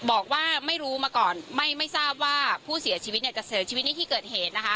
ออกมาไม่รู้ไม่ทราบว่าผู้เสียชีวิตจะเสริมชีวิตที่เกิดเหตุ